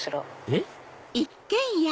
えっ？